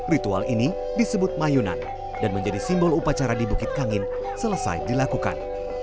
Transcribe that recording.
ritual ini disebut mayunan dan menjadi simbol upacara di bukit kangin selesai dilakukan